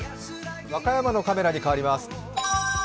和歌山のカメラに変わります。